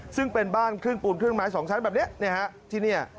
ซึ่งเป็นบ้านครึ่งปูนครึ่งไม้สองชั้นแบบนี้ที่นี่